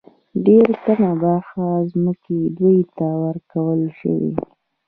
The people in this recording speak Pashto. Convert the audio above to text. ډېره کمه برخه ځمکې دوی ته ورکړل شوې.